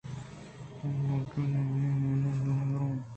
من بلوچی دَرونتاں وانان ءَ دربر آں۔